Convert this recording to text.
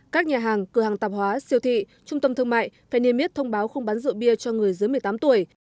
các nhà hàng cửa hàng tạp hóa siêu thị trung tâm thương mại phải niêm biết thông báo không bán rượu bia cho người dưới một mươi tám tuổi